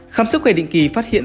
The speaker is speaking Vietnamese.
khám sức khỏe định kỳ phát hiện